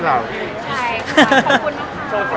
ครับขอบคุณ